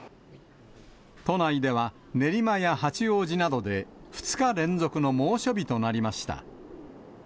都内では練馬や八王子などで２日連続の猛暑日となりました。